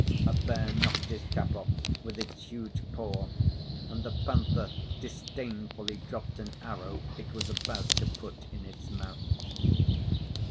A bear knocked his cap off with its huge paw, and the panther disdainfully dropped an arrow it was about to put in its mouth.